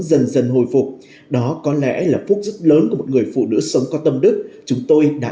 dần dần hồi phục đó có lẽ là phúc rất lớn của một người phụ nữ sống có tâm đức chúng tôi đã